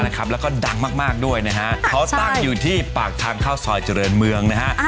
แล้วก็ดังมากด้วยนะฮะเขาตั้งอยู่ที่ปากทางเข้าซอยเจริญเมืองนะฮะ